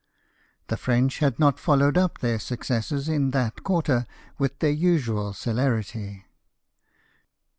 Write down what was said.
The French had not followed up their suc cesses in that quarter with their usual celerity.